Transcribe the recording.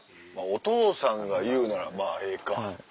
お父さんが言うならまぁええか。